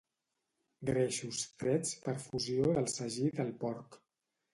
Greixos trets per fusió del sagí del porc.